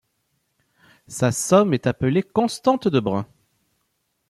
Sa somme est appelée constante de Brun.